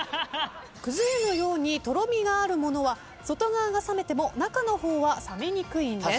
くず湯のようにとろみがあるものは外側が冷めても中の方は冷めにくいんです。